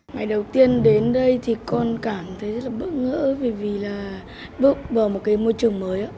ngày đầu tiên đến đây thì con cảm thấy rất là bất ngỡ vì là bước vào một môi trường mới